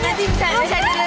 ah semua ini